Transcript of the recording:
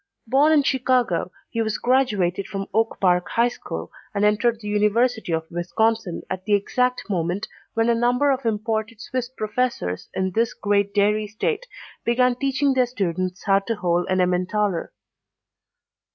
Born in Chicago, he was graduated from Oak Park High School and entered the University of Wisconsin at the exact moment when a number of imported Swiss professors in this great dairy state began teaching their students how to hole an Emmentaler.